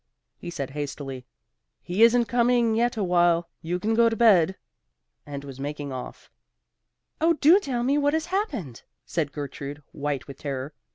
He said hastily: "He isn't coming yet awhile. You can go to bed;" and was making off. "Oh do tell me what has happened," said Gertrude, white with terror.